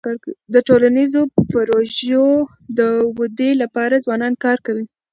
د ټولنیزو پروژو د ودی لپاره ځوانان کار کوي.